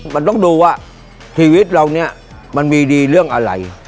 มันต้องดูว่าชีวิตเราเนี่ยมันมีดีเรื่องอะไร